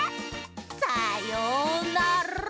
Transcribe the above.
さようなら！